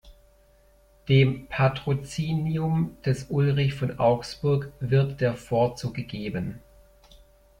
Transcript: Dem Patrozinium des Ulrich von Augsburg wird der Vorzug gegeben.